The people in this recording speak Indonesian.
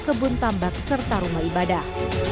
kebun tambak serta rumah ibadah